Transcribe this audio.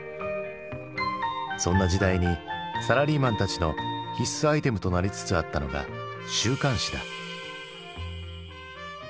そんな時代にサラリーマンたちの必須アイテムとなりつつあったのが週刊誌だ。